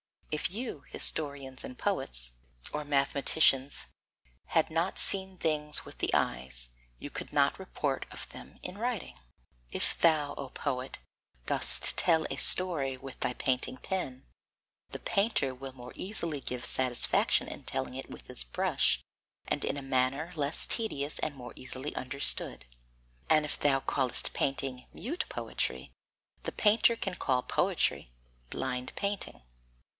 If you, historians and poets, or mathematicians, had not seen things with the eyes, you could not report of them in writing. If thou, O poet, dost tell a story with thy painting pen, the painter will more easily give satisfaction in telling it with his brush and in a manner less tedious and more easily understood. And if thou callest painting mute poetry, the painter can call poetry blind painting.